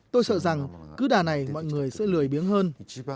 tôi sợ rằng cứ đà này mọi người sẽ lười biếng hơn